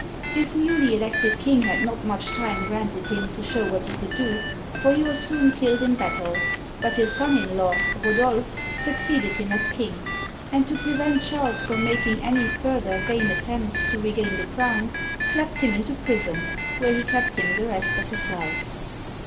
This newly elected king had not much time granted him to show what he could do, for he was. soon killed in battle, but his son in law, Rodolph, succeeded him as king, and to prevent Charles from mak ing any further vain attempts to regain the crown, clapped him into prison, where he kept him the rest of his life.